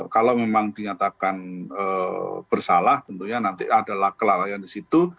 kalau memang dinyatakan bersalah tentunya nanti adalah kelalaian di situ